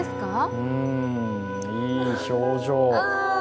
うん、いい表情。